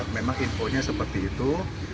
memang infonya seperti itu